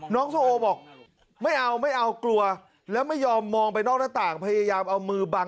นิวกลัวนะลูก